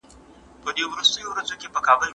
زه له سهاره د سبا لپاره د هنرونو تمرين کوم؟!